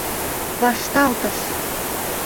ВАШТАЛТЫШ